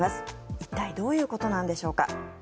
一体どういうことなんでしょうか。